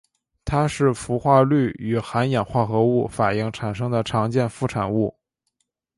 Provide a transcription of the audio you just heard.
它是氟化氯与含氧化合物反应产生的常见副产物。